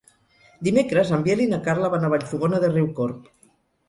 Dimecres en Biel i na Carla van a Vallfogona de Riucorb.